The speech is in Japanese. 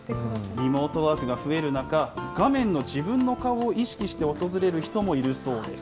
リモートワークが増える中、画面の自分の顔を意識して訪れる人もいるそうです。